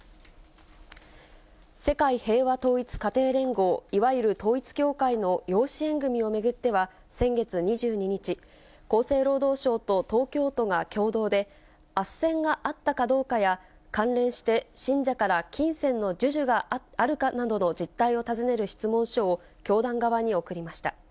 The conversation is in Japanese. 世界平和統一家庭連合、いわゆる統一教会の養子縁組を巡っては、先月２２日、厚生労働省と東京都が共同で、あっせんがあったかどうかや、関連して信者から金銭の授受があるかなどの実態を尋ねる質問書を教団側に送りました。